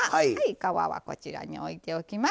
皮はこちらに置いておきます。